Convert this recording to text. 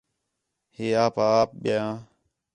ہے آپا آپ ٻِیاں